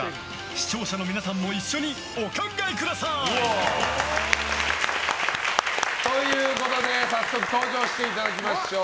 視聴者の皆さんも一緒にお考えください！ということで、早速登場していただきましょう。